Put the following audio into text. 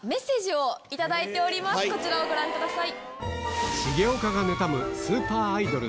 こちらをご覧ください。